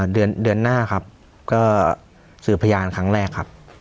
เดือนหน้าครับก็สืบพยานครั้งแรกครับ